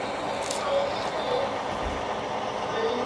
There is no strong man when the sea is at its worst.